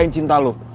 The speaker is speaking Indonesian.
kayak cinta lo